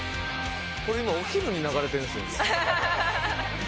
これ今お昼に流れてるんすよね。